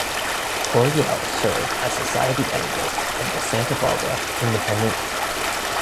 Coryell served as society editor of the Santa Barbara "Independent".